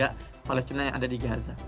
hampir seluruh warga palestina yang ada di gaza